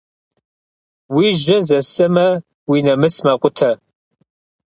Уи жьэ зэсэмэ, уи нэмыс мэкъутэ.